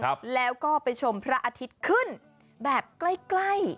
ครับแล้วก็ไปชมพระอาทิตย์ขึ้นแบบใกล้ใกล้